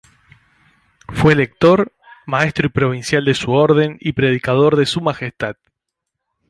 Fue lector, maestro y provincial de su orden, y predicador de Su Majestad.